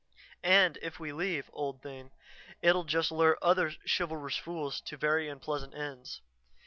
And if we leave, old thing, it'll just lure other chivalrous fools to very unpleasant ends.